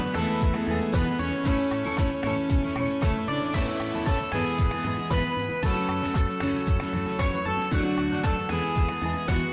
โปรดติดตามตอนต่อไป